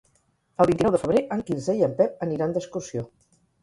El vint-i-nou de febrer en Quirze i en Pep aniran d'excursió.